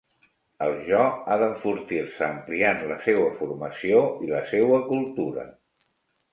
El jo ha d'enfortir-se ampliant la seua formació i la seua cultura.